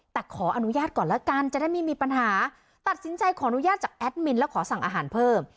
แต่ขออนุญาตก่อนแล้วกันจะได้ไม่มีปัญหาตัดสินใจขออนุญาตจากแอดมินแล้วขอสั่งอาหารเพิ่ม